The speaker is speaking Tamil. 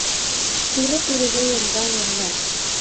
நிறப்பிரிகை என்றால் என்ன?